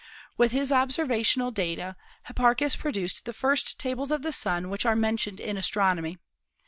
With his observational data Hipparchus produced the first tables of the Sun which are mentioned in astronomy.